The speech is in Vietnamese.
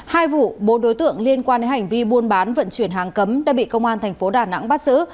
hai vụ bốn đối tượng liên quan đến hành vi buôn bán vận chuyển hàng cấm đã bị công an thành phố đà nẵng bắt giữ